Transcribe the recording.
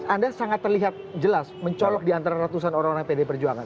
anda sangat terlihat jelas mencolok di antara ratusan orang orang pd perjuangan